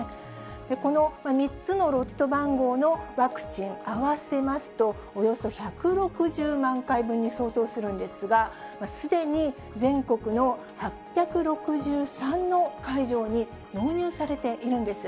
この３つのロット番号のワクチン合わせますと、およそ１６０万回分に相当するんですが、すでに全国の８６３の会場に納入されているんです。